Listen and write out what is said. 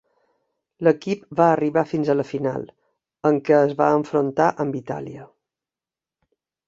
L'equip va arribar fins a la final, en què es va enfrontar amb Itàlia.